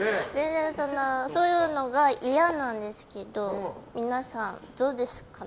そういうのが嫌なんですけど皆さん、どうですかね？